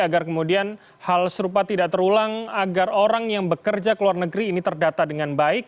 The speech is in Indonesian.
agar kemudian hal serupa tidak terulang agar orang yang bekerja ke luar negeri ini terdata dengan baik